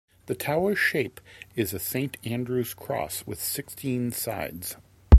The tower's shape is a Saint Andrew's Cross with sixteen sides.